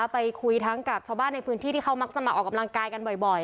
ไปคุยทั้งกับชาวบ้านในพื้นที่ที่เขามักจะมาออกกำลังกายกันบ่อย